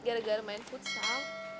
gara gara main futsal